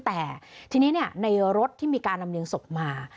แต่ทีนี้ในรถที่มีการลำเรียงศพมา